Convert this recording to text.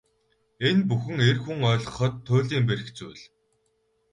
Энэ бүхэн эр хүн ойлгоход туйлын бэрх зүйл.